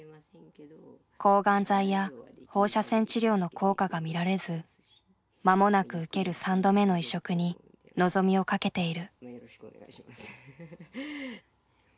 抗がん剤や放射線治療の効果が見られず間もなく受ける３度目の移植に望みを懸けている。